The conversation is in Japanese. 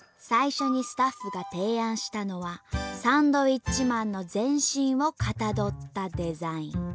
最初にスタッフが提案したのはサンドウィッチマンの全身をかたどったデザイン。